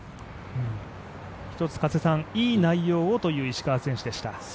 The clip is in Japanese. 一つ、いい内容をという石川選手でした。